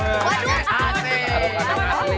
gak keliatan kayak gini